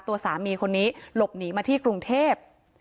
ตัวสามีคนนี้หลบหนีมาที่กรุงเทพ